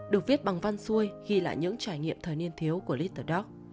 được viết bằng văn xuôi ghi lại những trải nghiệm thời niên thiếu của little dog